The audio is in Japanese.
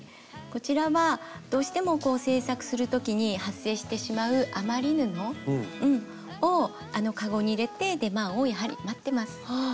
こちらはどうしても制作する時に発生してしまう余り布を籠に入れて出番をやはり待ってます。